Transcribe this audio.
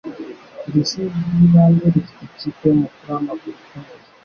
Iri shuri ryibanze rifite ikipe yumupira wamaguru ikomeye.